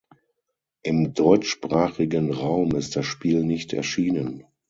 Im deutschsprachigen Raum ist das Spiel nicht erschienen.